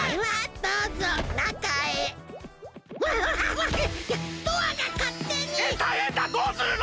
どうするの！？